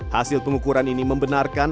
hasil pengukuran ini membenarkan